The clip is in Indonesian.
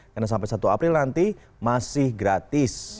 karena sampai satu april nanti masih gratis